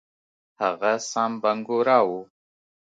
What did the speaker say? هغه سام بنګورا وو.